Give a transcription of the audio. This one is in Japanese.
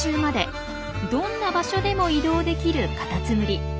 どんな場所でも移動できるカタツムリ。